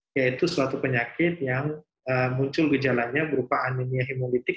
yaitu suatu penyakit yang muncul gejalannya berupa anemia hemolytik